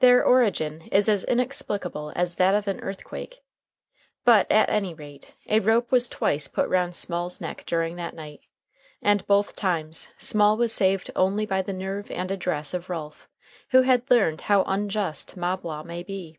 Their origin is as inexplicable as that of an earthquake. But, at any rate, a rope was twice put round Small's neck during that night, and both times Small was saved only by the nerve and address of Ralph, who had learned how unjust mob law may be.